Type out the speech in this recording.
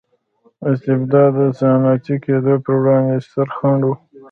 استبداد د صنعتي کېدو پروړاندې ستر خنډ و.